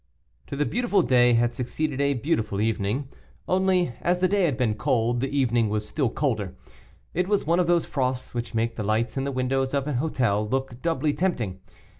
To the beautiful day had succeeded a beautiful evening, only, as the day had been cold, the evening was still colder. It was one of those frosts which make the lights in the windows of an hotel look doubly tempting.